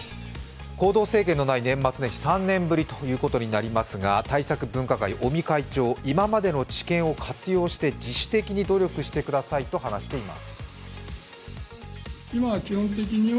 行動制限のない年末年始３年ぶりということになりますが対策分科会、尾身会長、今までの知見を活用して自主的に努力してくださいと話しています。